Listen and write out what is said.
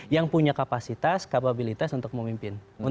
yang punya kapasitas kapabilitas untuk memimpin